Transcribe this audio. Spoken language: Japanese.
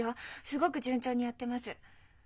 すごく順調にやってます。